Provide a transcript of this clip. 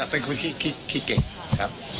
เป็นคนขี้เก่งครับ